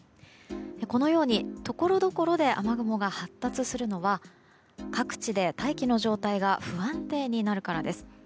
このように、ところどころで雨雲が発達するのは各地で大気の状態が不安定になるからです。